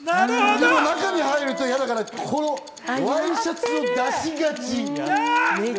中に入ると嫌だから、ここワイシャツ、出しがち。